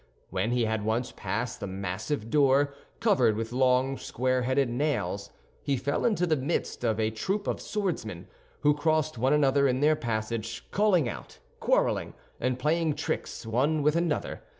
When he had once passed the massive door covered with long square headed nails, he fell into the midst of a troop of swordsmen, who crossed one another in their passage, calling out, quarreling, and playing tricks one with another.